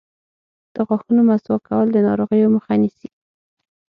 د غاښونو مسواک کول د ناروغیو مخه نیسي.